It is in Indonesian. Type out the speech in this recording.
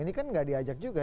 ini kan gak diajak juga